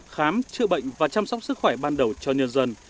khám chữa bệnh và chăm sóc sức khỏe ban đầu cho nhân dân